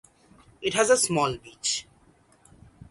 It has a small beach.